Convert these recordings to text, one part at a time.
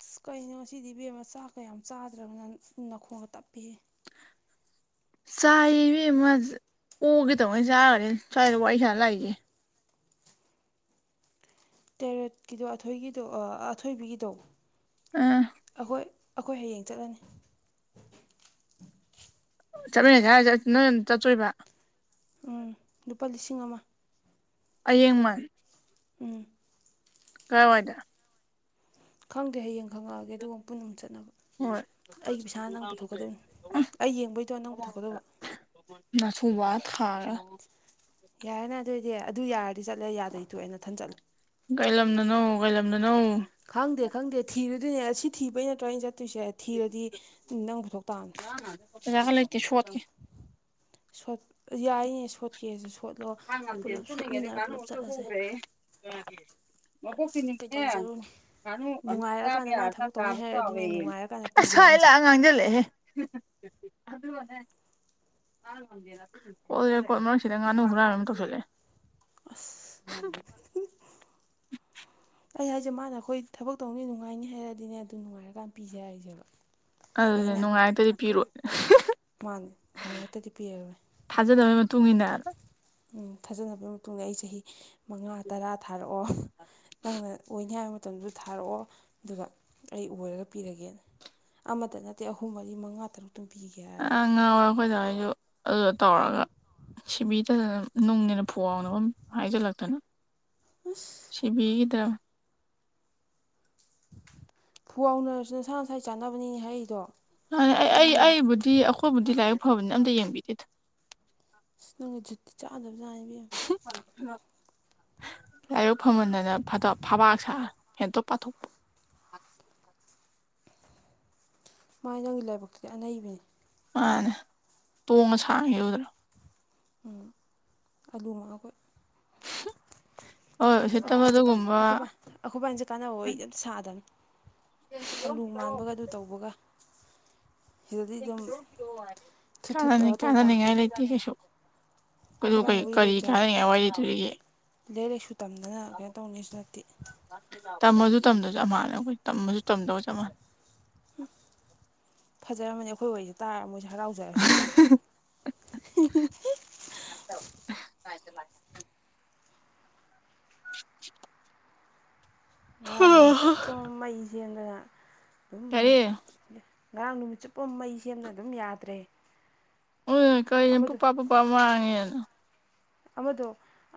ꯑꯁ ꯀꯩꯅꯣ ꯉꯁꯤꯗꯤ ꯏꯕꯦꯝꯃ ꯆꯥꯛꯀ ꯌꯥꯝ ꯆꯥꯗ꯭ꯔꯕꯅ ꯅꯪ ꯅꯈꯣꯡꯒ ꯇꯞꯄꯤꯍꯦ [unintelligible] ꯆꯥꯏꯕ ꯃꯥ ꯑꯣꯒꯦ ꯇꯧꯉ ꯆꯥꯈꯅꯤ ꯁꯋꯥꯏꯗ ꯋꯥꯔꯤ ꯁꯥ ꯂꯥꯛꯒꯦ ꯇꯦꯔꯦꯠꯀꯤꯗꯣ ꯑꯊꯣꯏꯒꯤꯗꯣ ꯑꯊꯣꯏꯕꯤꯒꯤꯗꯣ ꯑꯥ ꯑꯩꯈꯣꯏ ꯑꯩꯈꯣꯏ ꯍꯌꯦꯡ ꯆꯠꯂꯅꯤ ꯆꯠꯃꯤꯟꯅꯩꯁꯦ ꯍꯥꯏꯁ ꯅꯣꯏ ꯆꯠꯆꯣꯏꯕ ꯎꯝ ꯂꯨꯄꯥ ꯂꯤꯁꯤꯡ ꯑꯃ ꯑꯌꯦꯡꯃ ꯎꯝ ꯀꯥꯏ ꯋꯥꯗ ꯈꯪꯗꯦ ꯍꯌꯦꯡ ꯈꯪꯉꯛꯑꯒꯦ ꯑꯗꯨꯒ ꯄꯨꯟꯅ ꯑꯃꯨ ꯆꯠꯅꯕ ꯍꯣꯏ ꯑꯩꯒꯤ ꯄꯩꯁꯥ ꯅꯪ ꯄꯨꯊꯣꯛꯀꯗꯧꯅꯤ ꯑꯩ ꯌꯦꯡꯕꯩꯗꯣ ꯅꯪ ꯄꯨꯊꯣꯛꯀꯗꯧꯕ ꯃꯊꯨꯕ ꯊꯥꯔ ꯌꯥꯔꯦꯅꯦ ꯑꯗꯨꯑꯣꯏꯗꯤ ꯑꯗꯨ ꯌꯥꯔꯗꯤ ꯆꯠꯂꯦ ꯌꯥꯗꯣꯏꯗꯑꯅ ꯊꯟ ꯆꯠꯂꯨ ꯀꯥꯏꯂꯝꯅ ꯅꯣꯡ ꯀꯥꯏꯂꯝꯅꯅꯧ ꯈꯪꯗꯦ ꯈꯪꯗꯦ ꯊꯤꯔꯨꯗꯣꯏꯅꯦ ꯑꯁꯤ ꯊꯤꯕꯩ ꯅꯠꯇ꯭ꯔꯣ ꯑꯩꯅ ꯆꯠꯦ ꯑꯗꯣꯏꯁꯦ ꯊꯤꯔꯗꯤ ꯅꯪ ꯄꯨꯊꯣꯛ ꯇꯥꯅꯤ ꯄꯩꯁꯥꯒ ꯂꯩꯇꯦ ꯁꯣꯠꯀꯦ ꯠ ꯌꯥꯏꯅꯦ ꯁꯣꯠꯀꯦꯁꯨ ꯁꯣꯠ ꯂꯣ ꯄꯨꯜꯂꯞ ꯁꯣꯠꯃꯤꯟꯅꯔ ꯄꯨꯂꯞ ꯆꯠꯂꯁꯦ ꯑꯣ ꯀꯅꯤꯅꯦ ꯀꯩꯗꯧꯖꯔꯨꯅꯤ ꯅꯨꯡꯉꯥꯏꯔꯀꯥꯟꯗ ꯃꯥꯅ ꯊꯕꯛ ꯇꯧꯅꯤ ꯍꯥꯏꯔꯗꯤꯅꯦ ꯅꯨꯡꯉꯥꯏꯔꯀꯥꯟꯗ ꯄꯤꯒꯦ ꯑꯁ ꯍꯥꯏꯔꯝꯁꯦ ꯂꯥꯛꯑ ꯉꯥꯡꯖꯜꯂꯦ ꯀꯣꯜ ꯔꯦꯀꯣꯠ ꯃꯔꯛꯁꯤꯗ ꯉꯥꯅꯨ ꯍꯨꯔꯥꯜ ꯑꯁ ꯐꯦ ꯁꯤ ꯃꯥꯅ ꯑꯩꯈꯣꯏ ꯊꯕꯛ ꯇꯧꯅꯤ ꯅꯨꯡꯉꯥꯏꯅꯤ ꯍꯥꯏꯔꯗꯤꯅꯦ ꯑꯗꯨ ꯅꯨꯡꯉꯥꯏꯔꯀꯥꯟ ꯄꯤꯖꯔꯛꯏꯁꯦꯕ ꯑꯗꯨꯅꯦ ꯅꯨꯡꯉꯥꯏꯇꯗꯤ ꯄꯤꯔꯑꯣ ꯃꯔꯛꯇꯗꯤ ꯄꯤꯔꯃꯦ ꯇꯨꯡꯃꯤꯅꯔ ꯊꯥꯖꯅꯕꯒꯤ ꯃꯇꯨꯡꯗ ꯑꯩ ꯆꯍꯤ ꯃꯉꯥ ꯇꯔꯥ ꯊꯥꯔꯛꯑꯣ ꯅꯪꯅ ꯑꯣꯏꯅꯤ ꯍꯥꯏꯕ ꯃꯇꯝꯗꯨ ꯊꯥꯔꯛꯑꯣ ꯑꯗꯨꯒ ꯑꯩ ꯑꯣꯏꯔꯒ ꯄꯤꯔꯒꯦꯅ ꯑꯃꯗ ꯅꯠꯇꯦ ꯑꯍꯨꯝ ꯃꯔꯤ ꯃꯉꯥ ꯇꯔꯨꯛ ꯑ ꯉꯥꯎꯋ ꯑꯩꯈꯣꯏꯖꯥ ꯑꯩꯁꯨ ꯑꯗꯨꯗ ꯇꯧꯔꯒ ꯁꯤꯕꯤꯗ ꯅꯨꯡꯅꯦꯅ ꯐꯨꯋꯥꯥꯎꯅꯕ ꯍꯥꯏꯖꯤꯜꯂꯛꯇꯅ ꯑꯁ ꯁꯤꯕꯤꯗ ꯐꯨꯥꯎꯅꯔꯁꯨ ꯅꯁꯥ ꯅꯁꯥ ꯆꯥꯅꯕꯅꯤꯅꯦ ꯍꯥꯏꯔꯤꯗꯣ ꯑꯩ ꯅꯪ ꯑꯩ ꯏꯕꯦꯝ ꯑꯩꯕꯨꯗꯤ ꯑꯩꯈꯣꯏꯕꯨꯗꯤ ꯂꯥꯏꯔꯤꯛ ꯐꯕꯅꯤ ꯑꯝꯇ ꯌꯦꯡꯕꯤꯗꯦꯗ ꯑ ꯅꯪꯒꯤ ꯖꯨꯠꯇꯤ ꯆꯥꯗꯕ ꯖꯥꯠꯅꯦꯕ [inaudible] ꯂꯥꯏꯔꯤꯛ ꯐꯝꯍꯟꯗꯅ ꯐꯕꯥꯛ ꯁꯥ ꯍꯦꯟꯇꯣꯛ ꯄꯥꯊꯣꯛꯄ [inaudible] ꯃꯥꯥꯏ ꯅꯪꯒꯤ ꯂꯥꯏꯕꯛꯁꯤꯗꯤ ꯑꯅꯩꯕꯅꯤ ꯃꯥꯅꯦ ꯇꯣꯡꯉ ꯁꯥꯡꯉꯤꯗ꯭ꯔꯣ ꯎ ꯑꯗꯨꯃꯛ ꯑꯩꯈꯣꯏ [inaudible] ꯎꯁꯤꯠꯇꯕ ꯑꯩꯈꯣꯏꯟ ꯑꯗꯨꯒꯨꯝꯕ ꯀꯥꯟꯈꯣꯏ ꯑꯩꯈꯣꯏꯕꯥꯟꯖꯤ ꯀꯥꯟꯅ ꯍ ꯁꯥꯗꯅ ꯑꯂꯨ ꯃꯥꯟꯕꯒ ꯑꯗꯨ ꯇꯧꯕꯒ ꯁꯤꯗꯗꯤ ꯑꯗꯨꯝ ꯊꯨꯠ ꯊꯨꯠ ꯀꯥꯟꯅꯅꯤ ꯇꯧꯔ ꯇꯣꯛ ꯇꯥꯕꯅꯤ ꯀꯥꯟꯅꯅꯤꯉꯥꯏ ꯂꯩꯇ ꯀꯩꯁꯨ ꯑꯩꯈꯣꯏꯕꯥꯅꯤ ꯋꯥꯔꯤ ꯀꯔꯤ ꯂꯩꯇ꯭ꯔꯦ ꯍꯥꯏꯕ ꯀꯥꯟꯅꯉꯥꯏ ꯋꯥꯔꯤ ꯂꯤꯇꯔꯤꯒꯦ ꯂꯥꯏꯔꯤꯛ ꯂꯥꯏꯛꯁꯨ ꯇꯝꯗꯅ ꯀꯩꯅꯣ ꯇꯧꯅꯤꯁꯨ ꯅꯠꯇꯦ ꯇꯝꯃꯁꯨ ꯇꯝꯗꯔꯁꯨ ꯑꯝꯍꯅꯦ ꯑꯩꯈꯣꯏ ꯇꯝꯃꯁꯨ ꯇꯝꯗꯔꯁꯨ ꯆꯞ ꯃꯥꯟꯅꯩ ꯎꯝ ꯐꯖꯔꯝꯃꯅꯤ ꯑꯩꯈꯣꯏ ꯋꯥꯔꯤꯁꯦ ꯇꯥꯔ ꯃꯣꯏꯁꯨ ꯍꯔꯥꯎꯖꯁꯨꯝ ꯇꯥꯏ ꯆ ꯂ [inaudible] ꯉꯔꯥꯡꯒ ꯆꯞꯄ ꯃꯩ ꯁꯦꯝꯂꯒ ꯑꯗꯨꯝ ꯀꯔꯤ ꯉꯔꯥꯡ ꯅꯨꯃꯤꯠ ꯆꯨꯞꯄ ꯃꯩ ꯁꯦꯝꯅ ꯑꯗꯨꯝ ꯌꯥꯗ꯭ꯔꯦ ꯎꯝ ꯀ ꯑꯃꯗꯣ ꯄꯨꯄꯥ ꯄꯨꯄꯥ ꯃꯥꯡꯉꯦꯅ ꯑꯃꯗꯣ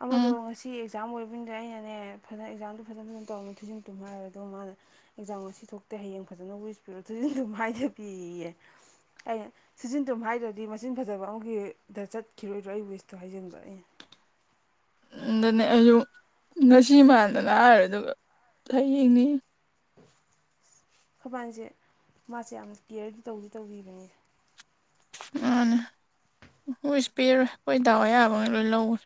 ꯑꯃꯗꯣ ꯎꯝ ꯉꯁꯤ ꯑꯦꯛꯖꯥꯝ ꯑꯣꯏꯕꯅꯤꯗ ꯑꯩꯅꯅꯦ ꯐꯖꯅ ꯑꯦꯛꯖꯥꯝꯗꯨꯣ ꯐꯖꯅ ꯐꯖꯅ ꯇꯧꯔꯝ ꯊꯨꯖꯟ ꯊꯨꯝ ꯍꯥꯏꯔꯗ ꯃꯥꯅ ꯑꯦꯛꯖꯥꯝ ꯉꯁꯤ ꯊꯣꯛ ꯍꯌꯦꯡ ꯐꯖꯅ ꯋꯤꯁ ꯄꯤꯔꯣ ꯊꯨꯖꯤꯅ ꯑꯗꯨꯝ ꯃꯥꯏꯗ ꯄꯤꯌꯦ ꯑꯩ ꯁꯤꯖꯤꯟ ꯊꯨꯝ ꯍꯥꯏꯗ꯭ꯔꯗꯤ ꯃꯆꯤꯟ ꯐꯖꯕ ꯑꯃꯒꯤꯗ ꯆꯠꯈꯤꯔꯣꯏꯗ꯭ꯔꯣ ꯑꯩ ꯋꯤꯁꯇꯣ ꯍꯥꯏꯖꯟꯕ꯭ꯔ ꯑꯩ ꯗꯅꯦ ꯑꯩꯁꯨ ꯉꯁꯤ ꯃꯥꯟꯗꯅ ꯍꯥꯏꯔꯦ ꯑꯗꯨꯒ ꯇꯅꯤ ꯀꯕꯥꯏꯅꯁꯦ ꯃꯥꯁꯦ ꯌꯥꯝꯅ ꯀꯦꯌꯔꯗꯤ ꯇꯧꯗꯤ ꯇꯧꯕꯈꯤꯕꯅꯤ ꯃꯥꯅꯦ ꯍꯣꯏꯁ ꯄꯦꯔꯣꯏ ꯑꯩꯈꯣꯏ ꯗꯥꯎ ꯑꯌꯥꯕ ꯉ ꯂꯣꯏ ꯂꯧꯔꯦ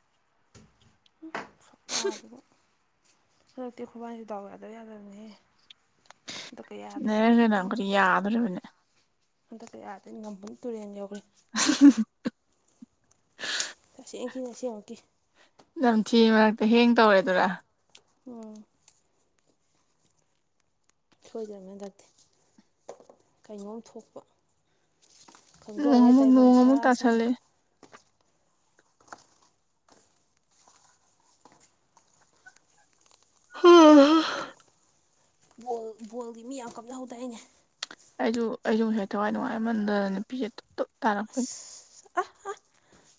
ꯎ ꯁꯛꯇ ꯑꯗꯨꯒ ꯍꯟꯗꯛꯇꯤ ꯈꯨꯣꯏꯕꯥꯏꯁꯨ ꯗꯥꯎ ꯌꯥꯗꯕ ꯌꯥꯗꯕꯅꯤꯍ ꯅꯔꯅꯀꯔ ꯌꯥꯗꯔꯅꯦ ꯍꯟꯗꯛꯇꯤ ꯑꯗ ꯅꯝꯕꯨꯜ ꯇꯨꯔꯦꯜ ꯌꯧꯒꯔꯦ [inaudible] ꯇꯁꯦꯡꯀꯤ ꯅꯁꯦꯡꯉꯛꯀꯤ ꯅꯝꯊꯤ ꯃꯔꯛꯇ ꯍꯦꯡ ꯇꯧꯔꯦꯗꯨꯔꯥ ꯑꯣ ꯊꯣꯏꯗꯕ ꯍꯟꯗꯛꯇꯤ ꯀꯩꯅꯣꯝ ꯊꯣꯛꯄ ꯃꯣꯍꯝ ꯈꯪꯖꯧꯍꯦ ꯇꯥꯏꯕꯪ ꯃꯣꯍꯝꯃꯗ ꯁꯔꯥ ꯁꯪ ꯇꯁꯦ [unintelligible] ꯕꯣꯜ ꯕꯣꯜꯒꯤ ꯃꯤ ꯌꯥꯝ ꯀꯞꯅꯍꯧꯗꯦ ꯑꯅꯦ ꯑꯩꯁꯨ ꯑꯩꯁꯨ ꯉꯁꯥꯏ ꯊꯋꯥꯏ ꯅꯨꯡꯉꯥꯏꯃꯟꯗꯅ ꯅꯨꯄꯤꯁꯦ ꯇꯞ ꯇꯥꯔꯛꯀꯅꯤ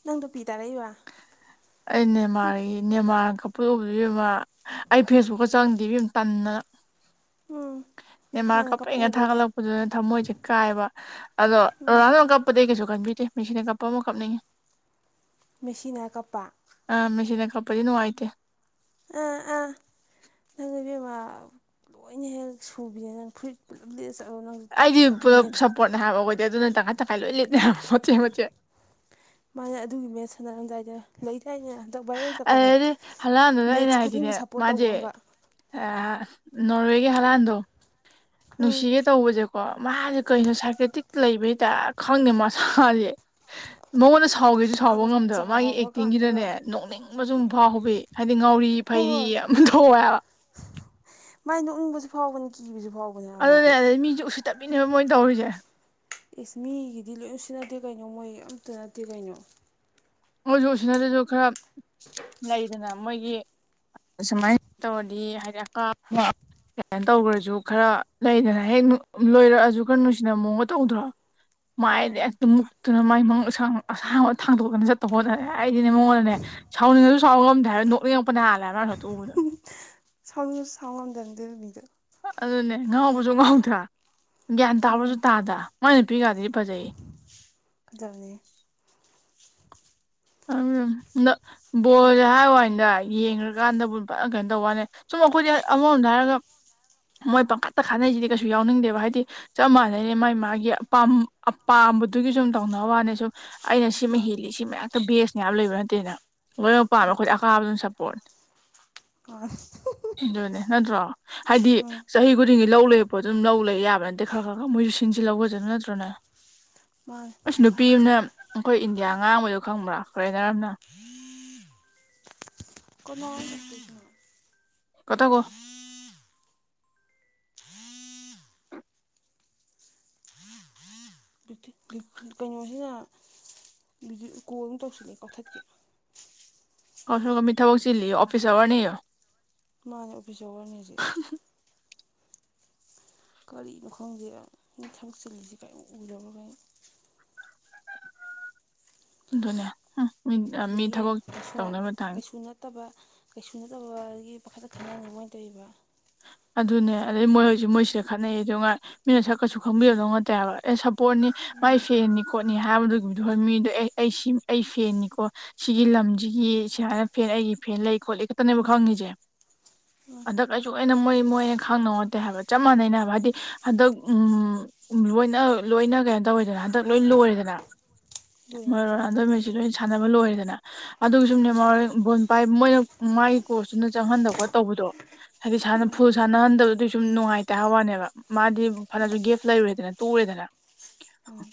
ꯅꯪꯗꯨ ꯄꯤ ꯇꯥꯔꯛꯏꯕ ꯑꯅꯦ ꯃꯥꯔꯤ ꯃꯥ ꯀ ꯄꯨꯗꯣꯛꯕ ꯑꯃ ꯑꯩ ꯐꯦꯁꯕꯨꯛꯀ ꯆꯪꯗꯦꯕ ꯌꯥꯝ ꯇꯟꯅ ꯎꯝ ꯅ ꯃꯥ ꯃꯥꯅ ꯀꯞꯄ ꯀꯞꯄꯛꯩꯅ ꯎꯕꯒꯤ ꯊꯥꯒꯠꯂꯛꯄꯗꯨꯅ ꯊꯝꯃꯣꯏꯁꯦ ꯀꯥꯏꯕ ꯑꯗꯣ ꯎꯝ ꯔꯣꯅꯥꯅꯜ ꯀꯞꯄꯗꯩ ꯀꯩꯁꯨ ꯀꯟꯕꯤ ꯦ ꯃꯁꯅꯦ ꯀꯞꯄ ꯑꯃ ꯀꯞꯅꯤꯡ ꯃꯦꯁꯤꯅꯥ ꯀꯄ ꯐꯗꯤ ꯅꯨꯡꯉꯥꯏꯇꯦ ꯑꯥ ꯑꯥ ꯅꯪꯉ ꯃꯥ ꯂꯣꯏꯅ ꯍꯦꯛ ꯁꯨꯕꯤꯔꯦ ꯅꯪ ꯐꯨꯔꯤꯠ ꯄꯨꯂꯞꯠ ꯑꯩꯗꯤ ꯄꯨꯂꯞ ꯁꯞꯄꯣꯔꯠꯅꯤ ꯍꯥꯏꯕ ꯑꯣꯏꯗꯦ ꯑꯗꯨꯅ ꯇꯪꯈꯥꯏ ꯇꯪꯈꯥꯏ ꯂꯣꯏ ꯂꯤꯦꯞꯇꯦ ꯍꯥꯏꯕ ꯃꯣꯠꯆꯦ ꯃꯣꯠꯆꯦ ꯃꯥꯅ ꯑꯗꯨꯒꯤ ꯃꯠ ꯁꯥꯟꯅꯔꯝꯗꯥꯏꯗ ꯂꯩ ꯑꯗꯨꯗꯤ ꯍꯂꯝꯗꯨꯅ ꯑꯩꯅ ꯃꯦꯠꯁ ꯍꯥꯏꯗꯤꯅꯦ ꯈꯨꯗꯤꯡꯒꯤ ꯁꯞꯄꯣꯔꯠ ꯇꯧꯕ ꯃꯥꯁꯦ ꯑꯃꯒ ꯅꯣꯔꯋꯦꯒꯤ ꯍꯂꯥꯟꯗꯣ ꯎꯝ ꯅꯨꯡꯁꯤꯒꯦ ꯇꯧꯕꯁꯦꯀꯣ ꯃꯥꯁꯦ ꯀꯩꯅꯣ ꯁꯥꯏꯀ꯭ꯔꯦꯇꯤꯛ ꯂꯩꯕ ꯍꯗ ꯈꯪꯗꯦ ꯃꯁꯥꯥꯁꯦ ꯃꯉꯣꯟꯗ ꯁꯥꯎꯒꯦꯁꯨ ꯁꯥꯎꯕ ꯃꯁꯥꯒ ꯉꯝꯗꯕ ꯃꯥꯒꯤ ꯆꯥꯎꯔꯀꯥꯟꯗꯒ ꯑꯦꯛꯇꯤꯡꯒꯤꯗꯅꯦ ꯅꯣꯛꯅꯤꯡꯕ ꯁ ꯐꯥꯎꯍꯧꯕꯕꯤ ꯍꯥꯏꯗꯤ ꯉꯥꯎꯔꯤ ꯍꯣꯏ ꯐꯩꯔꯤ ꯍꯣꯏ ꯌꯥꯝ ꯊꯣꯛꯋꯦꯕ ꯃꯥꯏꯅ ꯎꯪꯕꯁꯨ ꯐꯥꯎꯕꯅꯤ ꯀꯤꯕꯁꯨ ꯐꯥꯎꯕꯅꯦ ꯍꯥꯏꯕ ꯑꯗꯨꯅꯦ ꯃꯥꯗꯤ ꯑꯗꯩ ꯃꯤꯁꯨ ꯎꯁꯨ ꯇꯞꯃꯤꯅꯦꯕ ꯃꯣꯏꯅ ꯇꯧꯔꯤꯁꯦ ꯑꯦꯁ ꯃꯤꯒꯤꯗꯤ ꯂꯣꯏ ꯁꯤ ꯅꯠꯇꯦ ꯀꯩꯅꯣ ꯃꯣꯏ ꯑꯝꯇ ꯅꯠꯇꯦ ꯀꯩꯅꯣ ꯍꯧꯖꯣꯛꯁꯤꯅꯗꯁꯨ ꯈꯔ ꯂꯩꯗꯅ ꯃꯣꯏꯒꯤ ꯑꯃꯥꯏꯅ ꯇꯧꯔꯗꯤ ꯍꯥꯏꯗꯤꯞ ꯀꯃꯥꯏꯅ ꯇꯧꯈ꯭ꯔꯁꯨ ꯈꯔ ꯂꯩꯗꯅ ꯍꯦꯛ ꯂꯣꯏꯔꯛꯑꯁꯨ ꯈꯔ ꯅꯨꯡꯁꯤꯅ ꯃꯑꯣꯡꯕ ꯇꯧꯗ꯭ꯔꯣ ꯃꯥꯏꯗꯤ ꯑꯗꯨꯝ ꯎꯠꯇꯨꯅ ꯃꯥꯏ ꯃ ꯑꯁꯥꯡ ꯑꯁꯥꯡꯕ ꯊꯥꯡꯗꯣꯛꯇꯅ ꯆꯠ ꯇꯧ ꯍꯣꯠꯔꯦ ꯑꯩꯗꯤꯅꯦ ꯃꯉꯣꯟꯗꯅꯦ ꯁꯥꯎꯅꯤꯡꯉꯁꯨ ꯁꯥꯎ ꯉꯝꯗ ꯍꯥꯏꯕꯔ ꯅꯣꯛ ꯂꯡꯉꯛꯄ ꯅ ꯍꯥꯜꯂꯦꯕ꯭ꯔꯥ ꯅꯣ ꯇꯨꯕꯗꯣ ꯁꯥꯎꯅꯤꯡꯁꯨꯁꯨ ꯁꯥꯎꯂꯝꯗꯪꯗ ꯃꯤꯗ ꯑꯗꯨꯅꯦ ꯉꯥꯎꯕꯁꯨ ꯉꯥꯎꯗ꯭ꯔꯥ ꯒ꯭ꯌꯥꯟ ꯇꯥꯕꯁꯨ ꯎꯝ ꯇꯥꯗ ꯃꯣꯏ ꯅꯨꯄꯤ ꯀꯔꯗꯗꯤ ꯐꯖꯩꯌꯦ ꯀꯖꯅꯦ ꯎꯝ ꯅ ꯕꯣꯜꯁꯦ ꯍꯥꯏꯌꯨꯏꯗ ꯌꯦꯡꯉ꯭ꯔꯀꯥꯟꯗꯕꯨ ꯐꯖꯅ ꯀꯩꯅꯣ ꯇꯧꯕꯅꯤ ꯁꯨꯝ ꯑꯩꯈꯣꯏꯗꯤ ꯑꯃꯃꯣꯝꯗ ꯍꯥꯏꯔꯒ ꯃꯣꯏ ꯄꯥꯡꯈꯛꯇ ꯈꯥꯅꯩꯁꯤꯗꯤ ꯀꯩꯁꯨ ꯌꯥꯎꯅꯤꯡꯗꯦꯕ ꯍꯥꯏꯗꯤ ꯆꯞ ꯃꯥꯟꯅꯩꯅꯦ ꯃꯥꯒꯤ ꯃꯥꯒꯤ ꯑꯥꯝꯕꯗꯨꯒꯤ ꯁꯨꯝ ꯇꯧꯅꯕ ꯋꯥꯅꯤ ꯁꯨꯝ ꯑꯩꯅ ꯁꯤꯃ ꯃꯥꯅ ꯍꯦꯜꯂꯤ ꯁꯤ ꯃꯌꯥꯝ ꯑ ꯕꯦꯁꯅꯦꯌꯥꯝ ꯂꯩꯕ ꯅꯠꯇꯦꯗꯅ ꯂꯣꯏꯅꯃꯛ ꯄꯥꯝꯃꯦ ꯑꯩꯈꯣꯏꯗꯤ ꯂꯩꯇꯦ ꯑꯀꯥꯕ ꯑꯗꯨꯝ ꯁꯞꯄꯣꯔꯠꯅꯤ ꯑ ꯑꯗꯨꯅꯦ ꯅꯠꯇ꯭ꯔꯣ ꯍꯥꯏꯗꯤ ꯆꯍꯤ ꯈꯨꯗꯤꯡꯒꯤ ꯂꯧ ꯂꯩꯔꯄꯣ ꯑꯗꯨꯝ ꯂꯧ ꯂꯩ ꯌꯥꯕ ꯅꯠꯇꯦ ꯈꯔ ꯈꯔ ꯈꯔ ꯃꯣꯏꯁꯨ ꯁꯤꯡꯁꯤ ꯂꯧꯒꯖꯅ ꯅꯠꯇ꯭ꯔꯣꯅ ꯃꯥꯅꯦ ꯑꯁ ꯅꯨꯄꯤ ꯑꯃꯅ ꯑꯩꯈꯣꯏ ꯏꯟꯗꯤꯌꯥ ꯉꯥꯡꯕꯗ ꯈꯪꯕ꯭ꯔꯥ ꯀꯔꯥꯏꯅꯔꯝꯅ ꯀꯅꯥ ꯂꯩꯒ ꯀꯊ ꯀꯣ ꯀꯩꯅꯣꯁꯤꯅ ꯀꯣꯜ ꯑꯃꯝ ꯇꯧꯁꯤꯜꯂꯦ ꯀꯛꯊꯠꯀꯦ ꯀꯁ ꯀꯃꯤ ꯊꯕꯛ ꯆꯤꯜꯂꯤ ꯑꯣꯐꯤꯁ ꯑꯒꯔꯅꯤ ꯃꯥꯉ ꯀꯔꯤꯅꯣ ꯈꯪꯗꯦ ꯊꯕꯛ ꯆꯤꯂꯤꯁꯦ ꯀꯔꯤ ꯎꯔꯒ ꯑꯗꯨꯅ ꯑꯗꯒꯤ ꯀꯩꯁꯨ ꯀꯩꯁꯨ ꯅꯠꯇꯕ ꯀꯩꯁꯨ ꯅꯠꯇꯕ ꯑꯗꯒꯤ ꯄꯥꯈꯠꯇ ꯈꯪ ꯃꯥꯏꯅ ꯇꯧꯕ ꯑ ꯑꯗꯨꯅꯦ ꯑꯗꯩ ꯃꯣꯏ ꯍꯧꯣꯏꯁꯨ ꯃꯣꯏꯁꯤꯗ ꯈꯠꯅꯩ ꯑꯗꯨ ꯉꯥꯏ ꯃꯤꯅ ꯁꯛꯀꯁꯨ ꯈꯪꯕꯤꯒꯗꯧ ꯉꯠꯇꯦ ꯍꯥꯏꯕ ꯑꯦ ꯁꯞꯄꯣꯔꯠꯅꯤ ꯎꯝ ꯃꯥꯏ ꯐꯦꯟꯅꯤ ꯈꯣꯠꯅꯤ ꯍꯥꯏꯕꯗꯨꯒꯤꯗꯨ ꯃꯤꯗ ꯑꯦ ꯑꯩ ꯁꯤ ꯑꯩ ꯐꯦꯟꯅꯤꯀꯣ ꯁꯤꯒꯤ ꯂꯝꯁꯤꯒꯤ ꯑꯩ ꯁꯨꯃꯥꯏꯅ ꯐꯦꯟ ꯑꯩꯒꯤ ꯐꯦꯟ ꯂꯩ ꯈꯣꯠꯂꯤ ꯈꯛꯇꯅꯦꯕ ꯈꯪꯉꯤꯁꯦ ꯎꯝ ꯀꯩꯁꯨꯅ ꯃꯣꯏ ꯃꯣꯏꯅ ꯈꯪꯅꯉꯣꯠꯇꯦ ꯍꯥꯏꯕ ꯆꯞ ꯃꯥꯟꯅꯩꯅ ꯍꯥꯏꯕ ꯍꯥꯏꯗꯤ ꯍꯟꯗꯛ ꯂꯣꯏꯅ ꯂꯣꯏꯅ ꯀꯩꯅꯣ ꯇꯧꯋꯦꯗꯅ ꯍꯟꯗꯛ ꯂꯣꯏ ꯂꯣꯏꯔꯦꯗꯅ ꯍ ꯂꯣꯏꯅꯔꯦ ꯑꯗꯨꯣ ꯍꯟꯗꯛꯀꯤ ꯃꯩꯁꯤ ꯂꯣꯏꯅ ꯂꯣꯏ ꯁꯥꯟꯅꯕ ꯂꯣꯏꯔꯦꯗꯅ ꯑꯗꯨꯒꯤ ꯁꯨꯝꯅꯦ ꯎꯝ ꯃꯔ ꯕꯣꯟ ꯄꯥꯏ ꯃꯣꯏꯅ ꯃꯥꯒꯤ ꯀꯣꯔꯣꯁꯇꯨꯅ ꯆꯪꯍꯟꯗ ꯈꯣꯠꯇꯧꯕꯗꯣ ꯍꯥꯏꯗꯤꯅ ꯐꯨꯜ ꯁꯥꯟꯅꯍꯟꯗꯕꯗꯨ ꯁꯨꯝ ꯅꯨꯡꯉꯥꯏꯇꯦ ꯍꯥꯏ ꯋꯥꯅꯦꯕ ꯃꯥꯗꯤ ꯐꯅꯁꯨ ꯒꯦꯞ ꯂꯩꯔꯨꯔꯦꯗꯅ ꯄꯨꯔꯗꯂ ꯎꯝ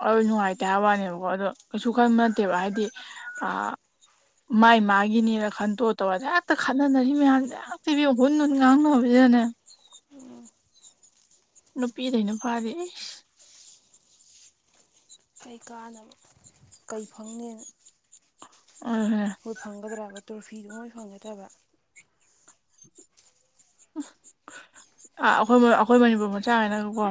ꯍ ꯅꯨꯡꯉꯥꯏꯇꯦ ꯍꯥꯏꯕ ꯋꯥꯅꯦꯕꯀꯣ ꯑꯗꯣ ꯀꯩꯁꯨ ꯈꯟꯕ ꯅꯠꯇꯦꯕ ꯍꯥꯏꯗꯤ ꯃꯥꯏ ꯃꯥꯒꯤꯅꯤꯅ ꯈꯟꯇꯣ ꯇꯧꯔꯁꯦ ꯍꯦꯛꯇ ꯈꯟꯅꯅꯔꯤ ꯃꯌꯥꯝꯁꯦ ꯇ ꯍꯕꯨ ꯉꯥꯡꯅ ꯍꯕꯗꯅꯦ ꯅꯨꯄꯤꯗꯩꯅ ꯐꯥꯔꯤ ꯀꯩ ꯀꯥꯟꯅꯕ ꯀꯩ ꯐꯪꯅꯤꯅ ꯑꯗꯨꯅ ꯃꯣꯏ ꯐꯪꯒꯗ꯭ꯔꯕ ꯇ꯭ꯔꯣꯐꯤꯗꯨ ꯃꯣꯏ ꯐꯪꯒꯗ꯭ꯔꯕ ꯎ ꯑ ꯑꯩꯈꯣꯏ ꯑꯩꯈꯣꯏ ꯃꯅꯤꯄꯨꯔ ꯃꯆꯥꯉꯅꯒꯀꯣ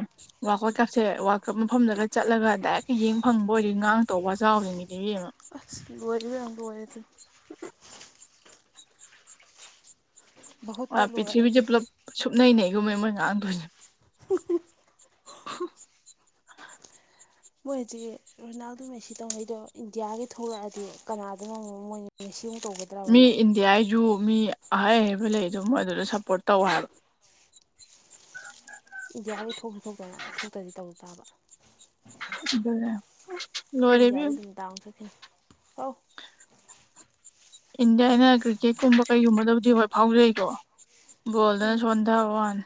ꯋꯥꯀꯠ ꯀꯛꯁꯦ ꯋꯥꯀꯠ ꯃꯐꯝꯗꯒ ꯆꯠꯂꯒ ꯗꯥꯏꯔꯦꯛ ꯑ ꯌꯦꯡ ꯐꯪꯕ ꯑꯣꯏꯔ ꯉꯥꯡ ꯇꯧꯕ ꯆꯥꯎꯔꯤꯉꯗꯤ ꯌꯦꯡꯉ ꯔꯤ ꯑ ꯀꯏꯗꯤ [inaudible] ꯑ ꯚꯍꯨꯠꯇ ꯂꯣꯏꯔꯦ ꯑꯗꯨ ꯄ꯭ꯔꯤꯊꯤꯕꯤꯁꯦ ꯄꯨꯂꯞ ꯁꯨꯞꯅꯩꯅꯩ ꯑꯩꯒꯨꯝꯃꯦ ꯃꯣꯏ ꯉꯥꯡꯗꯣꯏꯅꯦ [inaudible] [inaudible] ꯃꯣꯏ ꯍꯧꯖꯤꯛ ꯔꯣꯅꯥꯜꯗꯣ ꯃꯦꯁꯤ ꯇꯧꯉꯩꯗꯣ ꯏꯟꯗꯤꯌꯥꯒꯤ ꯊꯣꯛꯂꯛꯑꯗꯤ ꯀꯅꯥꯗꯅꯝꯣ ꯃꯣꯏ ꯃꯦꯁꯤ ꯇꯧꯒꯗ꯭ꯔꯕ ꯃꯤ ꯃꯣꯏ ꯏꯟꯗꯤꯌꯥꯒꯤꯁꯨ ꯃꯤ ꯑꯍꯩ ꯑꯍꯩꯕ ꯂꯩ ꯑꯗꯨ ꯃꯣꯏ ꯑꯗꯨꯗ ꯁꯞꯄꯣꯔꯠ ꯇꯧ ꯍꯥꯏꯕ ꯏꯟꯗꯤꯌꯥꯒꯤ ꯊꯣꯛꯁꯨ ꯊꯣꯛꯇꯅ ꯊꯣꯛꯇ꯭ꯔꯗꯤ ꯇꯧ ꯇꯥꯕ ꯑꯗꯨꯗ ꯑꯩꯈꯣꯏ ꯏꯟꯗꯤꯌꯥꯗ ꯑꯗꯨꯝ ꯗꯥꯎ ꯆꯠꯈꯤꯅꯤ ꯀꯥꯎ ꯏꯟꯗꯤꯌꯥꯅ ꯀ꯭ꯔꯤꯛꯀꯦꯠꯀꯨꯝꯕ ꯀꯩꯒꯨꯝꯕꯗꯕꯨꯗꯤ ꯍꯣꯏ ꯐꯥꯎꯖꯩꯀꯣ ꯎꯝ ꯣꯜꯗꯅ ꯁꯣꯟꯗ ꯋꯥ ꯋꯥꯅ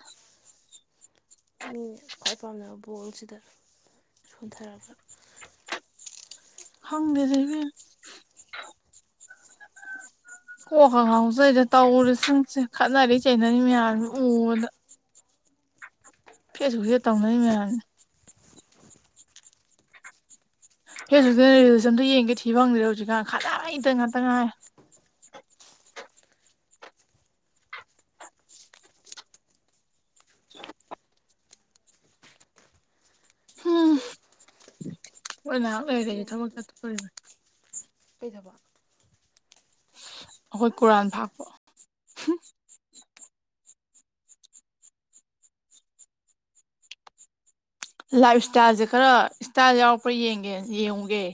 ꯃꯤꯅ ꯈ꯭ꯋꯥꯏ ꯄꯥꯝꯅꯕ ꯕꯣꯜꯁꯤꯗ ꯁꯣꯟꯊꯔꯒ ꯍꯪꯕꯤꯗꯕꯤ ꯀꯣꯛ ꯈ ꯉꯥꯎꯖꯩꯗ ꯇꯧꯔꯦꯁꯤꯡꯁꯦ ꯈꯠꯅꯔꯤ ꯆꯩꯅꯔꯤ ꯃꯌꯥꯝ ꯎꯕꯗ ꯐꯦꯠꯁꯨ ꯐꯦꯠ ꯇꯧꯅꯩ ꯃꯌꯥꯝꯅꯦ ꯑꯦ ꯍꯧꯖꯤꯛꯇ ꯔꯤꯌꯦꯂꯤꯖꯝꯗꯣ ꯌꯦꯡꯒꯦ ꯊꯤꯕ ꯐꯪꯗ꯭ꯔꯦ ꯍꯧꯖꯤꯛꯀꯥꯟ ꯈꯜ ꯏꯇ ꯉꯥꯛꯇ ꯉꯥꯏ [inaudible] ꯍ ꯑꯣꯏꯔꯦ ꯊꯃꯛ ꯆꯕꯛ ꯑꯩꯈꯣꯏ ꯀꯔꯟ ꯐꯥꯛꯕ ꯂꯥꯏꯞ ꯏꯁꯇꯥꯏꯜꯁꯦ ꯈꯔ ꯏꯁꯇꯥꯏꯜ ꯌꯥꯎꯔꯛꯄ꯭ꯔꯥ ꯌꯦꯡꯒꯦ ꯌꯦꯡꯉꯨꯒꯦ